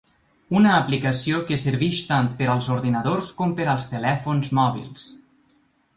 Una aplicació que serveix tant per als ordinadors com per als telèfons mòbils.